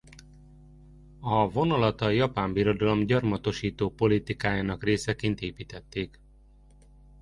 A vonalat a Japán Birodalom gyarmatosító politikájának részeként építették.